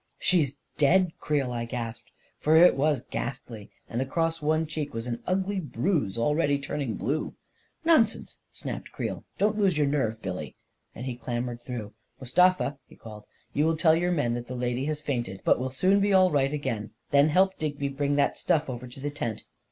" She's dead, Creel !" I gasped, for it was ghastly, and across one cheek was an ugly bruise, already turn ing blue. " Nonsense !" snapped Creel. " Don't lose your nerve, Billy," and he clambered through. " Mus tafa," he called, " you will tell your men that the lady has fainted, but will soon be all right again. Then help Digby bring that stuff over to the tent.